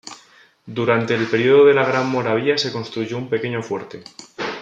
Durante el periodo de la Gran Moravia se construyó un pequeño fuerte.